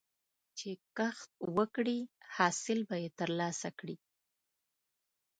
چې کښت وکړې، حاصل به یې ترلاسه کړې.